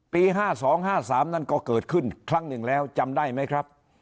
๕๒๕๓นั้นก็เกิดขึ้นครั้งหนึ่งแล้วจำได้ไหมครับ